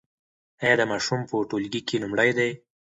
ایا دا ماشوم په ټولګي کې لومړی دی؟